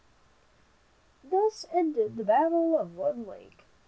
Thus ended the battle of Wood Lake.